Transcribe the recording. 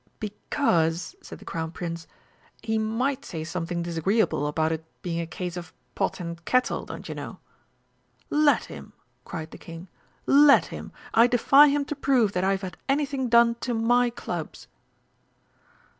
"Because," said the Crown Prince, "he might say something disagreeable about it being a case of Pot and Kettle, don't you know." "Let him!" cried the King. "Let him! I defy him to prove that I've had anything done to my clubs!"